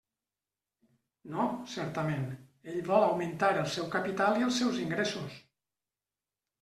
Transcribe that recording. No, certament, ell vol augmentar el seu capital i els seus ingressos.